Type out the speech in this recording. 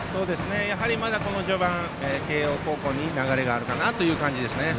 やはり、まだこの序盤は慶応高校に流れがあるかなという感じですね。